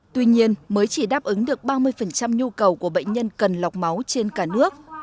tuy nhiên mới chỉ đáp ứng được ba mươi nhu cầu của bệnh nhân cần lọc máu trên cả nước